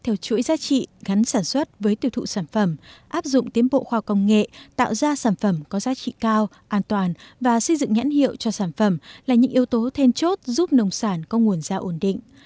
theo chuỗi giá trị gắn sản xuất với tiêu thụ sản phẩm áp dụng tiến bộ khoa công nghệ tạo ra sản phẩm có giá trị cao an toàn và xây dựng nhãn hiệu cho sản phẩm là những yếu tố then chốt giúp nông sản có nguồn da ổn định